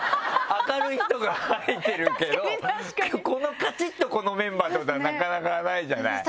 明るい人が入ってるけどカチっとこのメンバーってことはなかなかないじゃない。